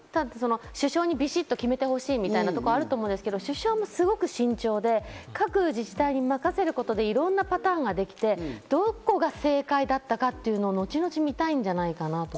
首相にビシっと決めてほしいみたいなところあると思うんですけど、首相もすごく慎重で、各自治体に任せることでいろんなパターンができて、どこが正解だったかというのを後々、見たいんじゃないかなと。